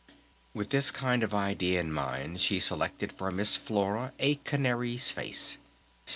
With this kind idea in mind she selected for Miss Flora a canary's face.